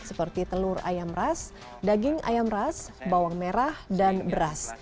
seperti telur ayam ras daging ayam ras bawang merah dan beras